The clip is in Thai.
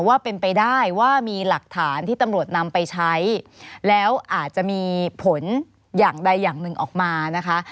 ว่าเป็นไปได้ว่ามีหลักฐานที่ตำรวจนำไปใช้แล้วอาจจะมีผลอย่างใดอย่างหนึ่งออกมานะคะ